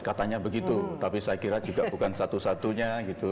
katanya begitu tapi saya kira juga bukan satu satunya gitu